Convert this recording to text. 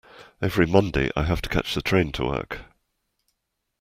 Every Monday I have to catch the train into work